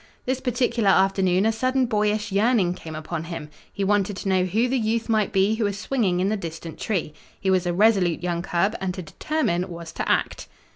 This particular afternoon a sudden boyish yearning came upon him. He wanted to know who the youth might be who was swinging in the distant tree. He was a resolute young cub, and to determine was to act.